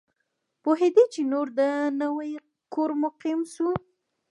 پوهېدی چي نور د نوي کور مقیم سو